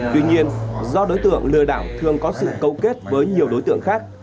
tuy nhiên do đối tượng lừa đảo thường có sự câu kết với nhiều đối tượng khác